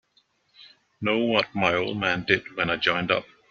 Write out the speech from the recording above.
Know what my old man did when I joined up?